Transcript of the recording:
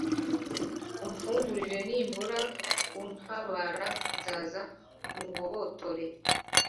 umfungurire; nimbura untabara, nzaza ungobotore